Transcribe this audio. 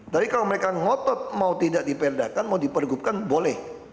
tapi kalau mereka ngotot mau tidak diperdakan mau dipergubkan boleh